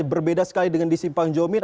berbeda sekali dengan di simpang jomin